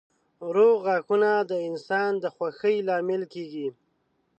روغ غاښونه د انسان د خوښۍ لامل کېږي.